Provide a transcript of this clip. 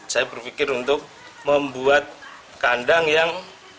saya berpikir untuk membuat kandang yang